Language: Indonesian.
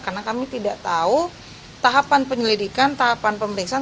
karena kami tidak tahu tahapan penyelidikan tahapan pemeriksaan